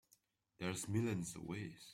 There's millions of ways.